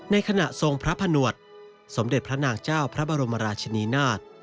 ในขณะทรงพระผนวดสมเด็จพระนางเจ้าพระบรมราชนีนาฏ